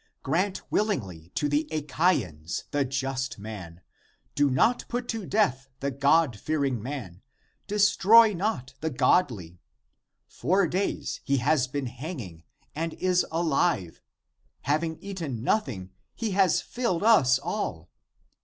Grant willingly to the Achaians the just man; do not put to death the God fearing man ; destroy not the godly ! Four days he has been hanging and is alive. Having eaten nothing he has filled us all.